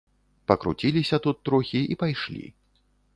Пакруціліся тут трохі і пайшлі.